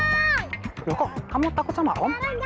kok kamu takut sama om